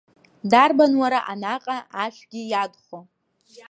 Дарбан, уара, анаҟа ашәгьы иадхо?